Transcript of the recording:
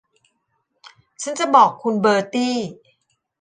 ฉันจะบอกคุณเบอร์ตี้